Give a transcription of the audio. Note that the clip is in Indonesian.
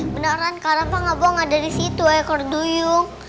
beneran kak rafa gak bohong ada di situ ekor duyung